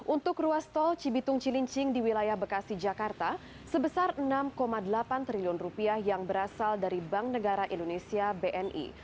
untuk ruas tol cibitung cilincing di wilayah bekasi jakarta sebesar rp enam delapan triliun yang berasal dari bank negara indonesia bni